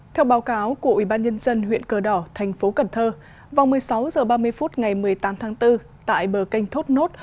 theo báo cáo của ubnd huyện cờ đỏ tp cn vòng một mươi sáu h ba mươi phút ngày một mươi tám tháng bốn tại bờ canh thốt nốt